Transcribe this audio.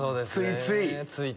ついつい？